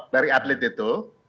dari atlet itu